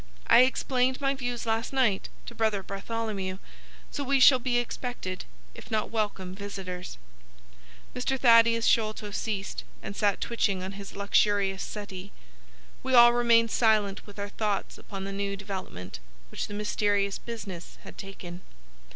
I explained my views last night to Brother Bartholomew: so we shall be expected, if not welcome, visitors." Mr. Thaddeus Sholto ceased, and sat twitching on his luxurious settee. We all remained silent, with our thoughts upon the new development which the mysterious business had taken.